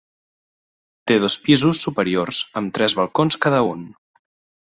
Té dos pisos superiors amb tres balcons cada un.